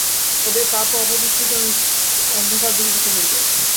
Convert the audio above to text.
তবেই পাপ ও অপবিত্রতারূপ অন্ধকার দূরীভূত হইবে।